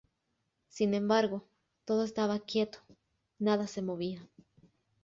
Sin embargo, todo estaba quieto, nada se movía.